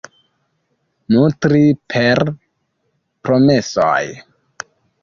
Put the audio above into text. Nutri per promesoj.